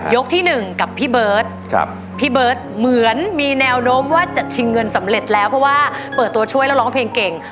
ที่หนึ่งกับพี่เบิร์ตพี่เบิร์ตเหมือนมีแนวโน้มว่าจะชิงเงินสำเร็จแล้วเพราะว่าเปิดตัวช่วยแล้วร้องเพลงเก่ง